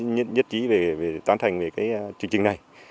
nhất trí về tán thành về cái chương trình này